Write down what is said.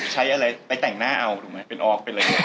ใช้อะไรไปแต่งหน้าเอาถูกมั้ย